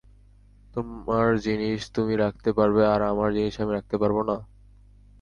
তোমার জিনিস তুমি রাখতে পারবে, আর আমার জিনিস আমি রাখতে পারব না?